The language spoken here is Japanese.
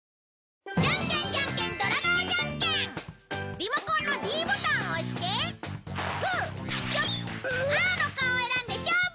リモコンのｄボタンを押してグーチョキパーの顔を選んで勝負！